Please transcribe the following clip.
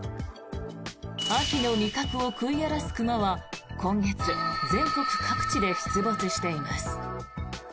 秋の味覚を食い荒らす熊は今月、全国各地で出没しています。